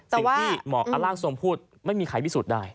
สิ่งที่เหมาะอลากสมพูดไม่มีใครพิสูจน์ได้